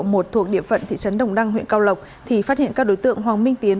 thuộc địa phận thị trấn đồng đăng huyện cao lộc thì phát hiện các đối tượng hoàng minh tiến